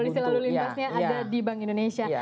polisi lalu lintasnya ada di bank indonesia